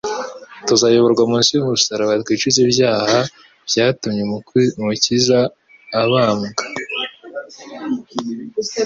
tuzayoborwa munsi y’umusaraba twicuze ibyaha byatumye Umukiza abambwa.